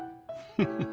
フフフッ。